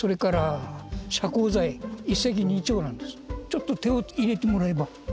ちょっと手を入れてもらえば。